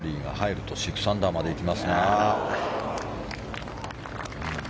シャフリーが入ると６アンダーまで行きますが。